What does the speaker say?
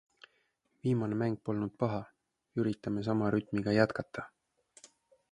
Viimane mäng polnud paha, üritame sama rütmiga jätkata.